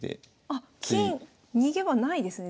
あっ金逃げ場ないですね